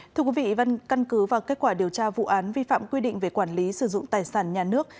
thưa quý vị văn căn cứ và kết quả điều tra vụ án vi phạm quy định về quản lý sử dụng tài sản nhà nước